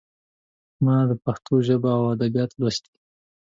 ما پښتو ژبه او ادبيات لوستي.